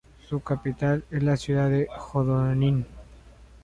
Su capital es la ciudad de Hodonín.